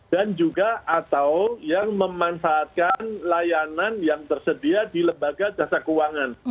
dan juga atau yang memanfaatkan layanan yang tersedia di lembaga jasa keuangan